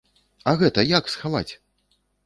А гэта як схаваць?